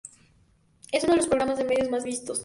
Es uno de los programas de medios más vistos.